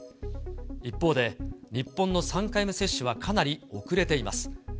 一方で、日本の３回目接種はかなり遅れています。